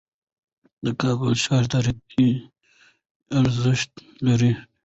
د کابل ښار تاریخي ارزښت لري.